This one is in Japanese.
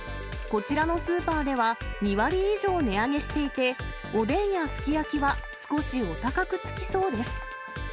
こちらのスーパーでは、２割以上値上がりしていて、おでんやすき焼きは少しお高くつきそうです。